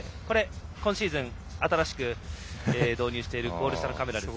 今シーズン、新しく導入しているゴール下のカメラです。